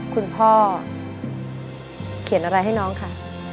คุณพ่อเขียนอะไรให้น้องคะ